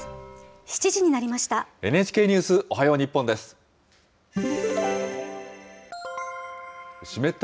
７時になりました。